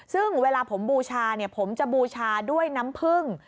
ซึ่งเวลาผมบูชาผมจะบูชาด้วยน้ำผึ้ง